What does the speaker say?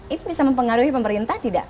ini bisa mempengaruhi pemerintah tidak